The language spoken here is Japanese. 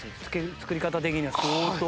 作り方的には相当。